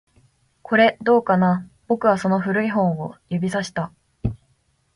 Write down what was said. これ、どうかな？僕はその古い本を指差した